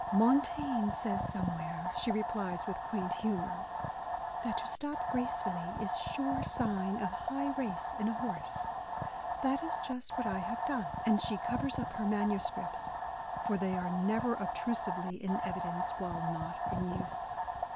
Montaigne says some where," she replies with quaint humour, "that to stop gracefully is sure sign of high race in a horse. That is just what I have done !" and she covers up her manuscripts, for they are never obtrusively in evidence while not in use.